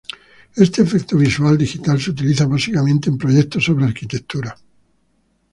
Este efecto visual digital se utiliza básicamente en proyectos sobre arquitectura.